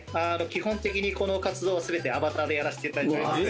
基本的にこの活動は全てアバターでやらせて頂いております。